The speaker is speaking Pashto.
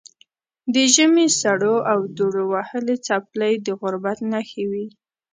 د ژمي سړو او دوړو وهلې څپلۍ د غربت نښې وې.